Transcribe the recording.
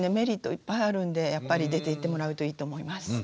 いっぱいあるんでやっぱり出て行ってもらうといいと思います。